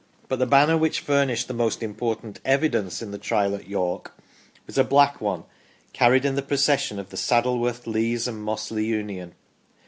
But the banner which furnished the most im portant " evidence " in the Trial at York was a black one carried in the procession of the Saddleworth, Lees, and Mossley Union.